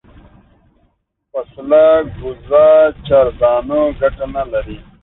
پسله گوزه چارزانو گټه نه لري.